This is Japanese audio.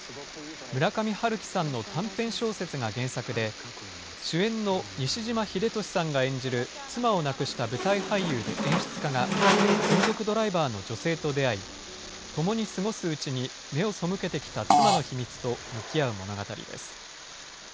村上春樹さんの短編小説が原作で、主演の西島秀俊さんが演じる、妻を亡くした舞台俳優で演出家が、専属ドライバーの女性と出会い、共に過ごすうちに、目を背けてきた妻の秘密と向き合う物語です。